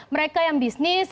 mereka yang bisnis